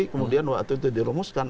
kemudian waktu itu dirumuskan